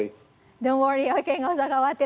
jangan khawatir oke tidak usah khawatir